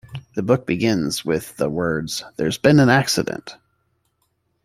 The book begins with the words There's been an accident!